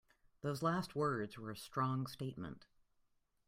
Those last words were a strong statement.